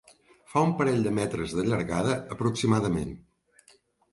Fa un parell de metres de llargada aproximadament.